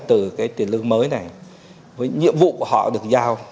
từ cái tiền lương mới này với nhiệm vụ họ được giao